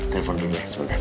telepon dulu ya sebentar